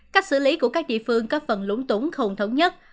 cách xử lý của các địa phương có phần lũng tủng không thống nhất